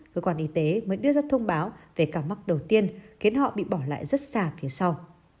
cơ quan y tế mới đưa ra thông báo về ca mắc đầu tiên khiến họ bị bỏ lại rất xa phía sau